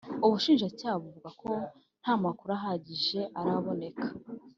ubushinjacyaha buvuga ko nta makuru ahagije araboneka